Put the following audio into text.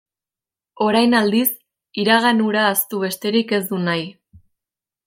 Orain aldiz, iragan hura ahaztu besterik ez du nahi.